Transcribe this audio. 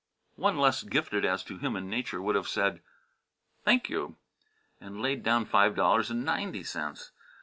One less gifted as to human nature would have said, "Thank you!" and laid down five dollars and ninety cents.